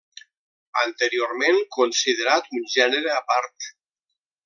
Anteriorment considerat un gènere a part.